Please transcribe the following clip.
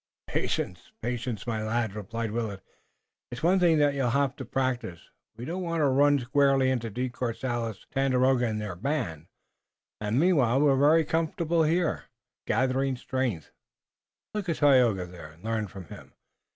"Patience! patience, my lad," replied Willet. "It's one thing that you'll have to practice. We don't want to run squarely into De Courcelles, Tandakora and their band, and meanwhile we're very comfortable here, gathering strength. Look at Tayoga there and learn from him.